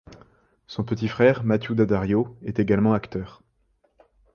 Son petit frère, Matthew Daddario, est également acteur.